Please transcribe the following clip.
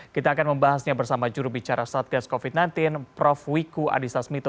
kita akan membahasnya bersama jurubicara satgas covid sembilan belas prof wiku adhisa smito